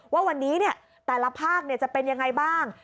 ว่าวันนี้แต่ละภาคจะเป็นยังไงบ้าง